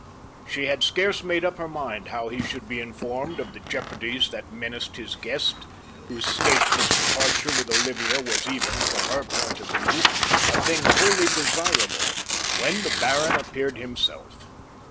She had scarce made up her mind how he should be informed of the jeopardies that menaced his guest, whose skaithless departure with Olivia was even, from her point of view, a thing wholly desirable, when the Baron appeared himself.